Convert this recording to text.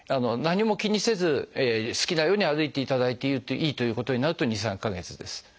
何も気にせず好きなように歩いていただいていいということになると２３か月です。